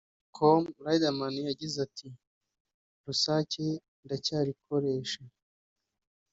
com Riderman yagize ati” Rusake ndacyarikoresha